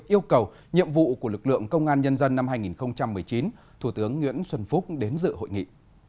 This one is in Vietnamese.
yêu cầu nhiệm vụ của lực lượng công an nhân dân năm hai nghìn một mươi chín thủ tướng nguyễn xuân phúc đến dự hội nghị